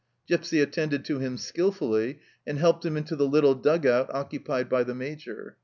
Gipsy attended to him skilfully, and helped him into the little dug out occupied by the Major.